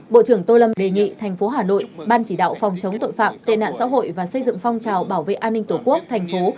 bộ trưởng tô lâm đề nghị thành phố hà nội ban chỉ đạo phòng chống tội phạm tệ nạn xã hội và xây dựng phong trào bảo vệ an ninh tổ quốc thành phố